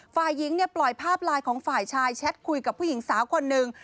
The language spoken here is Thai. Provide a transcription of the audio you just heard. ฝ่ายหญิงเนี่ยปล่อยภาพไลน์ของฝ่ายชายแชทคุยกับผู้หญิงสาวคนหนึ่ง